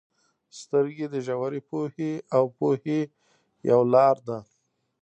• سترګې د ژورې پوهې او پوهې یو لار ده.